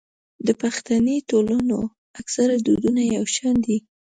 د پښتني ټولنو اکثره دودونه يو شان دي.